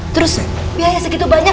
terus biaya segitu banyak